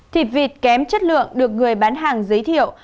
thịt vịt kém chất lượng được người bán hàng giới thiệu